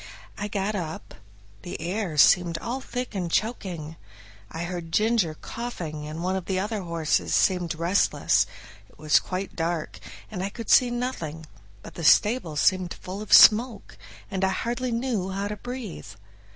I got up; the air seemed all thick and choking. I heard Ginger coughing and one of the other horses seemed very restless; it was quite dark, and I could see nothing, but the stable seemed full of smoke, and I hardly knew how to breathe.